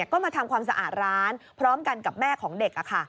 ก็มาทำความสะอาดร้านพร้อมกันกับแม่ของเด็ก